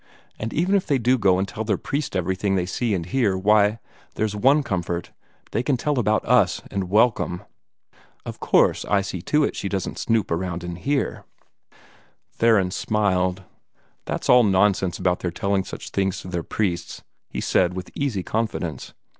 And even if they do go and tell their priest everything they see and hear, why, there's one comfort, they can tell about US and welcome. Of course I see to it she doesn't snoop around in here." Theron smiled. "That's all nonsense about their telling such things to their priests," he said with easy confidence.